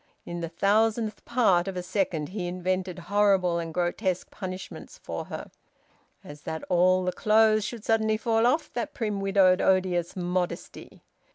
In the thousandth part of a second he invented horrible and grotesque punishments for her, as that all the clothes should suddenly fall off that prim, widowed, odious modesty.